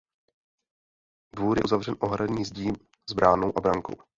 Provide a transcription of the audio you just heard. Dvůr je uzavřen ohradní zdí s bránou a brankou.